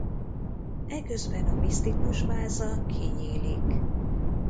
Eközben a misztikus váza kinyílik.